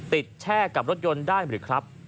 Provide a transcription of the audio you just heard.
แช่กับรถยนต์ได้หรือครับ